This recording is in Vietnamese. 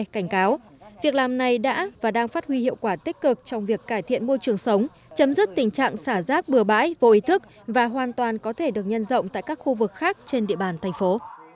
cảnh cáo việc làm này đã và đang phát huy hiệu quả tích cực trong việc cải thiện môi trường sống chấm dứt tình trạng xả rác bừa bãi vô ý thức và hoàn toàn có thể được nhân rộng tại các khu vực khác trên địa bàn thành phố